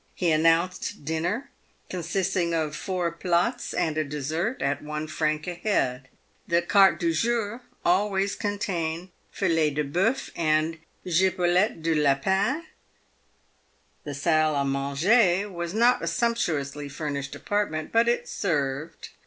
He announced dinner, consisting of four plats and a dessert, at one franc a head. The carte du jour always contained 11 filet de loeuf" and " gibelotte de lapin." The salle a manger was not a sumptuously furnished apartment, but it served.